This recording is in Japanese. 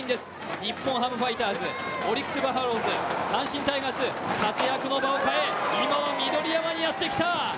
日本ハムファイターズ、オリックス・バファローズ阪神タイガース、活躍の場を変え、今は緑山にやってきた。